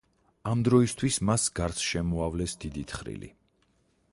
ამ დროისთვის მას გარს შემოავლეს დიდი თხრილი.